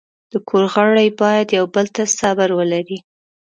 د کور غړي باید یو بل ته صبر ولري.